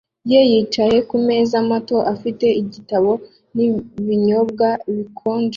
ye yicaye ku meza mato afite igitabo n’ibinyobwa bikonje